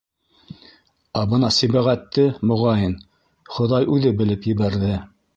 Ә бына Сибәғәтте, моғайын, хоҙай үҙе белеп ебәрҙе!